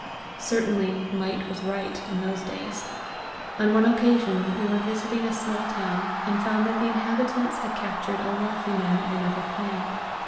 Certainly, might was right in those days. On one occasion we were visiting a small town, and found that the inhabitants had captured a wealthy man of another clan.